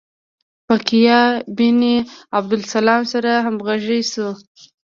فقیه ابن عبدالسلام سره همغږي شو.